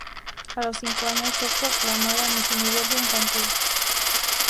A los cinco años fue proclamada Miss universo infantil.